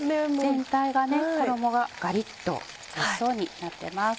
全体が衣がガリっとおいしそうになってます。